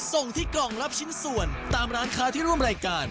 ส่งที่กล่องรับชิ้นส่วนตามร้านค้าที่ร่วมรายการ